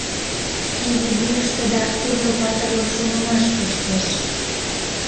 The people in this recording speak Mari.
Изи вуйыштыда тӱрлӧ патырлык шонымаш кушкеш.